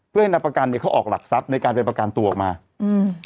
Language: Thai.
เพื่อให้นายประกันเนี้ยเขาออกหลักทรัพย์ในการไปประกันตัวออกมาอืม